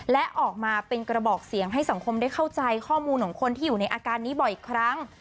และออกมาเป็นกระบอกเสียงให้สังคมได้เข้าใจข้อมูลของคนที่อยู่ในอาการนี้บ่อยครั้ง